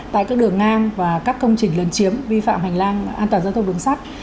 tại các đường ngang và các công trình lân chiếm vi phạm hành lang an toàn giao thông đường sắt